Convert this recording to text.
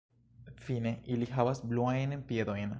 Fine ili havas bluajn piedojn.